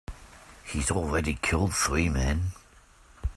He's already killed three men.